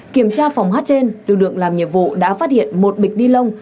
kiểm tra phòng hát trên lưu lượng làm nhiệm vụ đã phát hiện một bịch ni lông